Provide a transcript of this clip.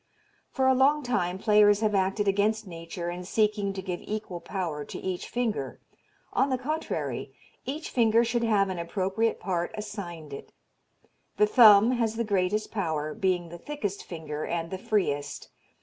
For a long time players have acted against nature in seeking to give equal power to each finger. On the contrary, each finger should have an appropriate part assigned it. The thumb has the greatest power, being the thickest finger and the freest.